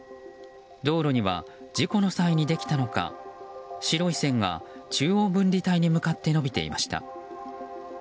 道路には、事故の際にできたのか白い線が中央分離帯に向かって延びていました。